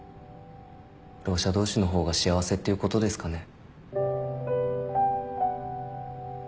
ろう者同士の方が幸せっていうことですかね。